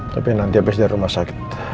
tapi nanti habis dari rumah sakit